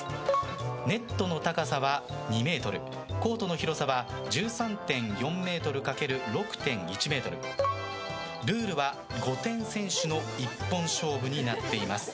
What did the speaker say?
ネットの高さは２ｍコートの広さは１３．４ｍかける６．１ｍルールは５点先取の一本勝負になっています。